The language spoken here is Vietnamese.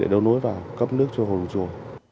để đấu nối vào cấp nước cho hồ đông chùa